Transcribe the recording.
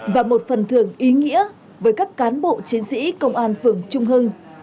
và một phần thường ý nghĩa với các cán bộ chiến sĩ công an phường trung hưng